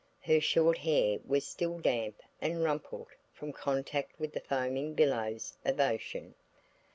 Her short hair was still damp and rumpled from contact with the foaming billows of ocean.